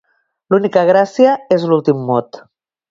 L'única gràcia és l'últim mot.